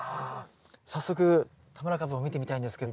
早速田村かぶを見てみたいんですけど。